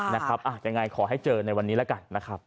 นะครับอาจจะยังไงขอให้เจอในวันนี้ละกันนะครับ